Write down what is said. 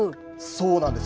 そうなんです。